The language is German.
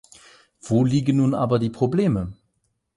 Wo liegen nun aber die Probleme?